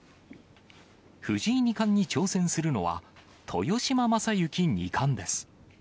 藤井二冠に挑戦するのは、豊島将之二冠です。